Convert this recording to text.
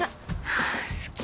はぁ好き